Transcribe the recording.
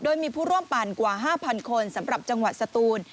โดยมีผู้ร่วมปั่นกว่า๕๐๐คนสำหรับจังหวัดสตูน